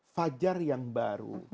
fajar yang baru